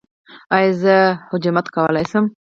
ایا زه حجامت کولی شم؟